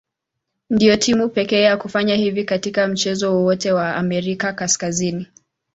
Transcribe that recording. Ndio timu pekee ya kufanya hivi katika mchezo wowote wa Amerika Kaskazini.